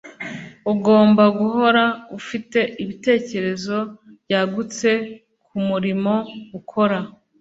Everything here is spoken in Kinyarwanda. Ugomba guhora ufite ibitekerezo byagutse kumurimo ukora